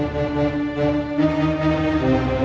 an cinderella ko porus diamit ringsicles yang dimaksud